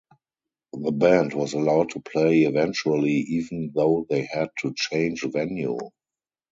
The band was allowed to play eventually even though they had to change venue.